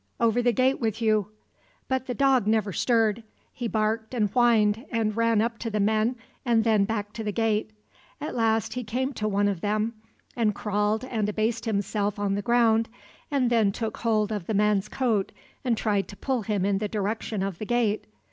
Over the gate with you." But the dog never stirred. He barked and whined and ran up to the men and then back to the gate. At last he came to one of them, and crawled and abased himself on the ground and then took hold of the man's coat and tried to pull him in the direction of the gate.